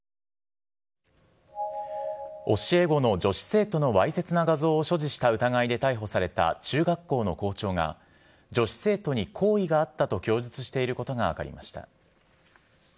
教え子の女子生徒のわいせつな画像を所持した疑いで逮捕された中学校の校長が、女子生徒に好意があったと供述していることが分かりました。